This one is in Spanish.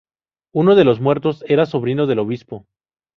Uno de los muertos era sobrino del obispo.